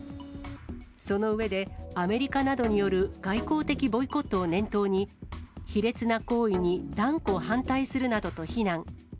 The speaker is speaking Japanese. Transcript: その上で、アメリカなどによる外交的ボイコットを念頭に、卑劣な行為に断固反対するなどと非難。